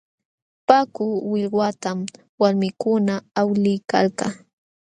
Paku willwatam walmikuna awliykalka.